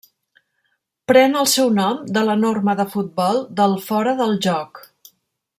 Pren el seu nom de la norma de futbol del fora del joc.